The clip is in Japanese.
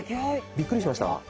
びっくりしました。